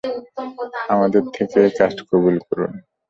আমাদের থেকে এ কাজ কবুল করুন।